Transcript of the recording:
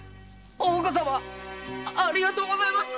大岡様ありがとうございました。